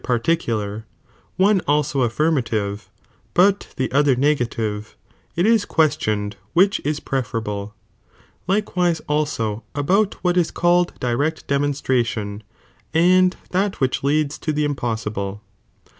The quo particular, one also affirmative, but the other ne '^i >"'"'■ gative, it is queetioned which is preferable, litcwisc also about what is called direct demonstr&tion, and that which leads to the impossible.